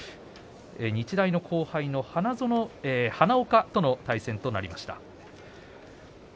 日大の後輩の花岡との対戦となりました。